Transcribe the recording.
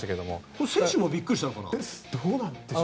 これは選手もびっくりしたのかな？